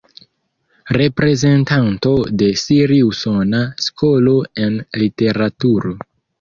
Reprezentanto de siri-usona skolo en literaturo.